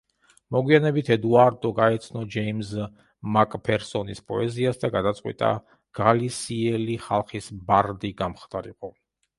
მოგვიანებით ედუარდო გაეცნო ჯეიმზ მაკფერსონის პოეზიას და გადაწყვიტა გალისიელი ხალხის ბარდი გამხდარიყო.